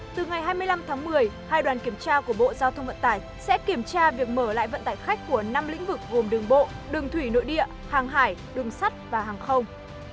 từ ngày hai mươi năm tháng một mươi hai đoàn kiểm tra của bộ giao thông vận tải sẽ kiểm tra việc mở lại vận tải khách của năm lĩnh vực gồm đường bộ đường thủy nội địa hàng hải đường sắt và hàng không